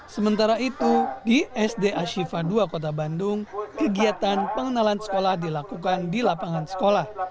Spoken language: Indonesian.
sementara itu di sd ashifa dua kota bandung kegiatan pengenalan sekolah dilakukan di lapangan sekolah